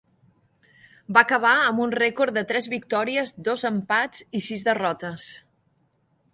Va acabar amb un rècord de tres victòries, dos empats i sis derrotes.